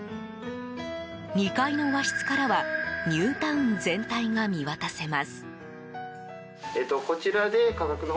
２階の和室からはニュータウン全体が見渡せます。